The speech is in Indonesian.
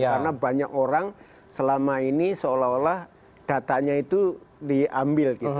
karena banyak orang selama ini seolah olah datanya itu diambil